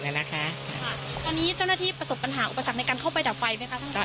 ตอนนี้เจ้าหน้าที่ประสบปัญหาอุปสรรคในการเข้าไปดับไฟไหมคะท่าน